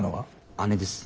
姉です。